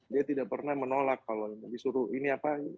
dia tidak pernah menolak kalau disuruh ini apa